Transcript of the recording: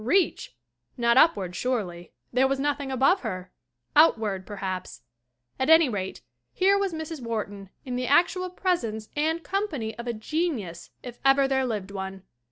Reach? Not upward, surely; there was nothing above her. Out ward, perhaps. At any rate, here was Mrs. Wharton in the actual presence and company of a genius if ever there lived one.